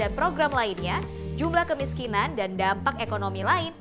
dan program lainnya jumlah kemiskinan dan dampak ekonomi lain